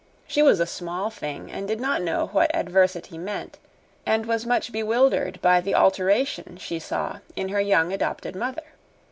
She was a small thing and did not know what adversity meant, and was much bewildered by the alteration she saw in her young adopted mother.